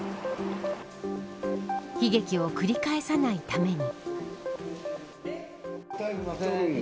悲劇を繰り返さないために。